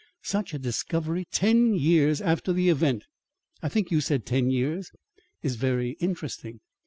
Such a discovery ten years after the event (I think you said ten years) is very interesting."